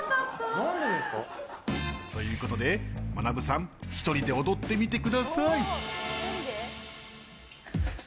何でですか？ということでまなぶさん１人で踊ってみてください。